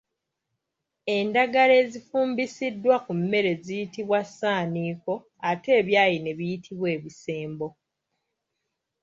Endagala ezifumbisiddwa ku mmere ziyitibwa ssaaniiko, ate ebyayi ne biyitibwa Ebisembo.